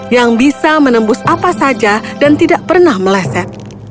yang bisa menembus apa saja dan tidak pernah meleset